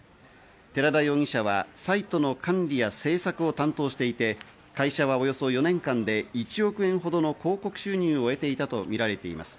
寺田容疑者はサイトの管理や制作を担当していて、会社はおよそ４年間で１億円ほどの広告収入を得ていたとみられています。